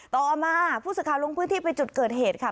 ต่อมาผู้สื่อข่าวลงพื้นที่ไปจุดเกิดเหตุค่ะ